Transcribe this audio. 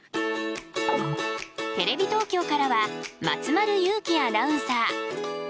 テレビ東京からは松丸友紀アナウンサー。